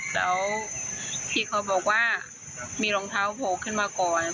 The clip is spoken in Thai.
แล้วพี่เขาบอกว่ามีรองเท้าโผล่ขึ้นมาก่อน